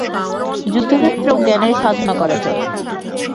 যুদ্ধক্ষেত্রেও জ্ঞানের সাধনা করা চলে।